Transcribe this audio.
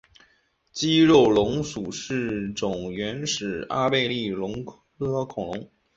肌肉龙属是种原始阿贝力龙科恐龙。